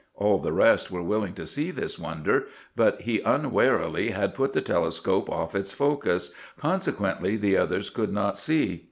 All the rest were willing to see this wonder, but he unwarily had put the telescope off its focus, consequently the others could not see.